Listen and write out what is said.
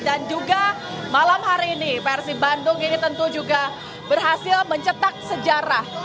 dan juga malam hari ini persib bandung ini tentu juga berhasil mencetak sejarah